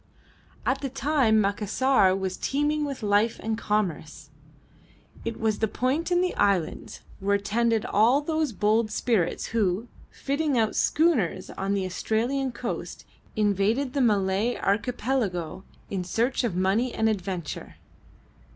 At that time Macassar was teeming with life and commerce. It was the point in the islands where tended all those bold spirits who, fitting out schooners on the Australian coast, invaded the Malay Archipelago in search of money and adventure.